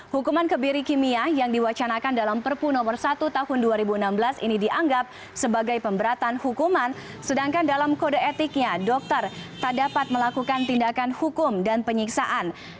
hukuman kebiri kimia yang diwacanakan dalam perpu nomor satu tahun dua ribu enam belas ini dianggap sebagai pemberatan hukuman sedangkan dalam kode etiknya dokter tak dapat melakukan tindakan hukum dan penyiksaan